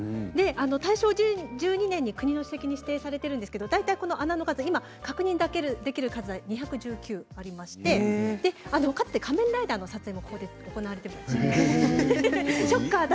大正１２年に国の史跡に指定されているんですけれども大体この穴の数確認できるのが２１９ありましてかつて「仮面ライダー」の撮影もここで行われていました。